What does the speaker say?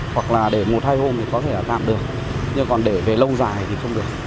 hoặc là để một hai hôm thì có thể tạm được nhưng còn để về lâu dài thì không được